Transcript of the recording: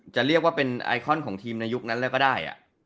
จะเรียกว่าเป็นไอคอนของทีมในยุคนั้นแล้วก็ได้